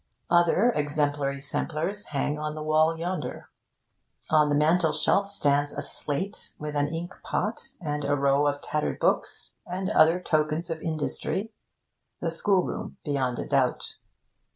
Other exemplary samplers hang on the wall yonder. On the mantelshelf stands a slate, with an ink pot and a row of tattered books, and other tokens of industry. The schoolroom, beyond a doubt.